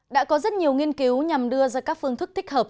đã có rất nhiều nghiên cứu nhằm đưa ra các phương thức thích hợp